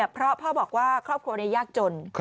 เพราะพ่อบอกว่าครอบครัวนี้ยากจน